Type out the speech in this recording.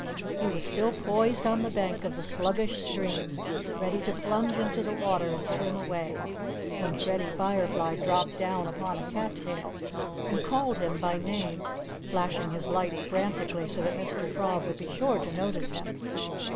He was still poised on the bank of the sluggish stream, ready to plunge into the water and swim away, when Freddie Firefly dropped down upon a cat tail and called him by name, flashing his light frantically so that Mr. Frog would be sure to notice him.